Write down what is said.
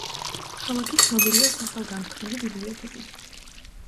ქალაქი ცნობილია სახელგანთქმული ბიბლიოთეკით.